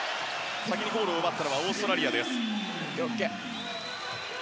先にゴールを奪ったのはオーストラリアです。